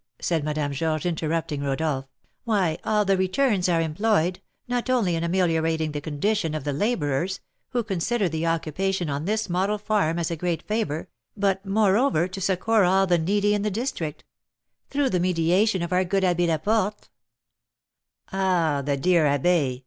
said Madame Georges, interrupting Rodolph; "why, all the returns are employed, not only in ameliorating the condition of the labourers, who consider the occupation on this model farm as a great favour, but, moreover, to succour all the needy in the district; through the mediation of our good Abbé Laporte " "Ah, the dear abbé!"